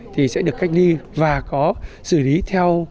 thì sẽ được cách ly và có xử lý theo